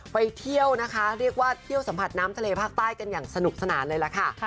ไปเที่ยวนะคะเรียกว่าเที่ยวสัมผัสน้ำทะเลภาคใต้กันอย่างสนุกสนานเลยล่ะค่ะ